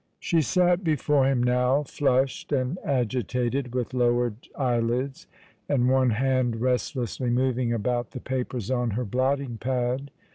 She sat before him now, flushed and agitated, with lowered eyelids, and one hand restlessly moving about the papers on her blotting pad.